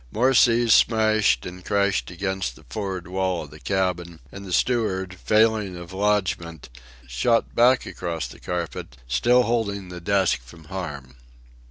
More seas smashed and crashed against the for'ard wall of the cabin; and the steward, failing of lodgment, shot back across the carpet, still holding the desk from harm.